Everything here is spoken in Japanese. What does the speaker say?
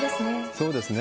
そうですね。